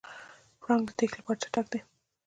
پړانګ د تېښتې لپاره چټک دی.